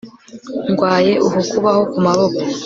ndarwaye uku kubaho kumaboko